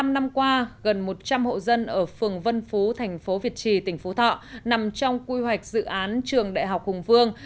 một mươi năm năm qua gần một trăm linh hộ dân ở phường vân phú thành phố việt trì tỉnh phú thọ nằm trong quy hoạch dự án trường đại học hùng vương